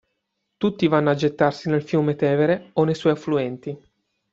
Tutti vanno a gettarsi nel fiume Tevere o nei suoi affluenti.